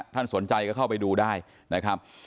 ท่านสนใจก็เข้าไปดูได้นะครับ